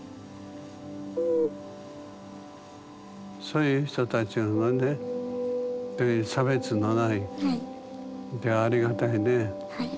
そういう差別のないでありがたいね